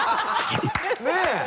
ねえ。